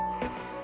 selamat sore mbak